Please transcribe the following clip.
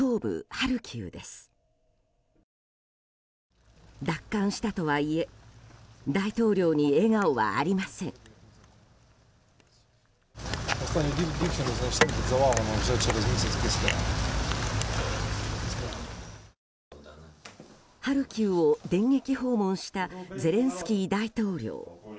ハルキウを電撃訪問したゼレンスキー大統領。